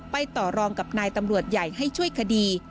ต่อรองกับนายตำรวจใหญ่ให้ช่วยคดี